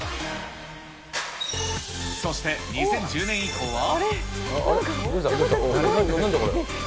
そして２０１０年以降は。